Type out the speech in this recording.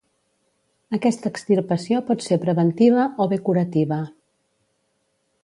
Aquesta extirpació pot ser preventiva o bé curativa.